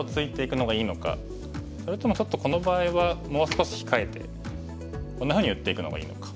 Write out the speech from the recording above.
それともちょっとこの場合はもう少し控えてこんなふうに打っていくのがいいのか。